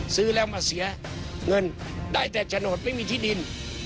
ซื้อแล้วมาเสียเงินได้แต่โฉนดไม่มีที่ดิน